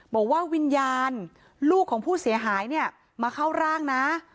บอกว่าวิญญาณลูกของผู้เสียหายเนี่ยมาเข้าร่างนะ